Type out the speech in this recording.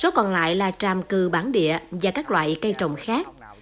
số còn lại là tràm cừ bản địa và các loại cây trồng khác